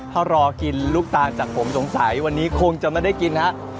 ถ้ารอกินลูกตาลจากผมสงสัยวันนี้คงจะไม่ได้กินฮะ